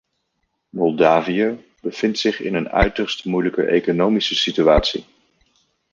Moldavië bevindt zich in een uiterst moeilijke economische situatie.